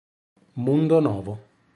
Mundo Novo